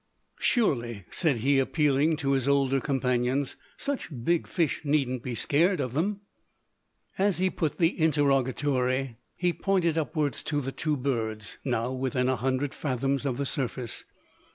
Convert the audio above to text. "Surely," said he, appealing to his older companions, "such big fish needn't be scared of them?" As he put the interrogatory, he pointed upward to the two birds, now within a hundred fathoms of the surface.